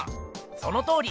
そのとおり！